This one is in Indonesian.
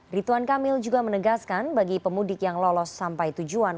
rituan kamil juga menegaskan bagi pemudik yang lolos sampai tujuan